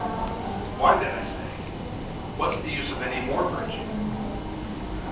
why, then, I say, what's the use of any more virtue?